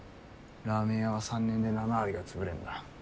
ラーメン屋は３年で７割が潰れるんだ。